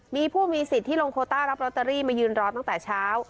มีผู้มีสิทธิ์ที่ลงโคต้ารับลอตเตอรี่มายืนรอตั้งแต่เช้า